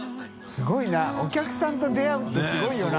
垢瓦いお客さんと出会うってすごいよな。